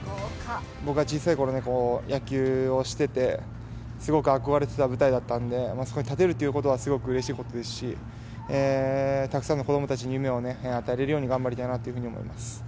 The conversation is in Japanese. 僕が小さいころに野球をしてて、すごく憧れてた舞台なので、そこに立てるということは、すごくうれしいことですし、たくさんの子どもたちに夢を与えれるように頑張りたいなと思いま